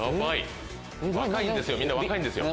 若いんですよ。